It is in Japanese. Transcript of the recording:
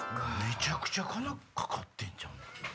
めちゃくちゃ金かかってんじゃん。